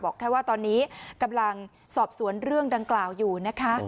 แค่ว่าตอนนี้กำลังสอบสวนเรื่องดังกล่าวอยู่นะคะ